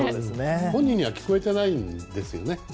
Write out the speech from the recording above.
本人には聞こえていないんですよね？